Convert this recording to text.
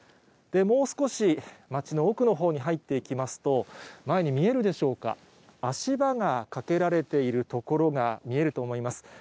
もう少し町の奥のほうに入っていきますと、前に見えるでしょうか、足場がかけられている所が見えると思います。